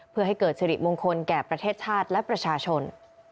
เพื่อให้เกิดสิริมงคลแก่ประเทศชาติและประชาชน